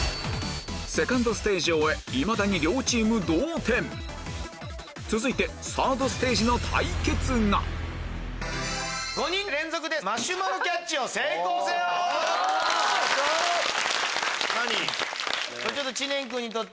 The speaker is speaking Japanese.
セカンドステージを終えいまだに両チーム同点続いてサードステージの対決がよっ！